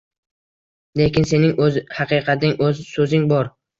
Lekin sening oʻz haqiqating, oʻz soʻzing bor